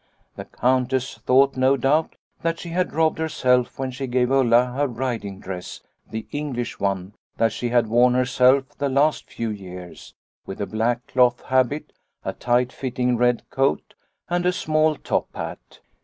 " The Countess thought, no doubt, that she had robbed herself when she gave Ulla her riding dress the English one that she had 60 Liliecrona's Home worn herself the last few years, with a black cloth habit, a tight fitting red coat, and a small top hat.